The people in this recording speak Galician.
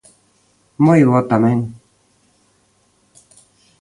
Moi bo, tamén.